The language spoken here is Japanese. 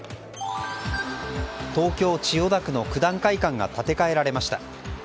東京・千代田区の九段会館が建て替えられました。